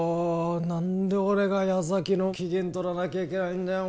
なんで俺が矢崎の機嫌とらなきゃいけないんだよ